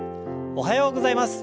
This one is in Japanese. おはようございます。